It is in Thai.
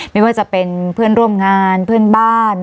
ไม่ว่าจะเป็นเพื่อนร่วมงานเพื่อนบ้าน